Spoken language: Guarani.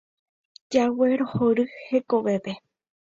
Jeguerohory hekovépe.